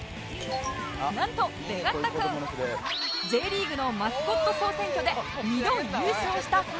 なんとベガッ太くん Ｊ リーグのマスコット総選挙で２度優勝した超人気者！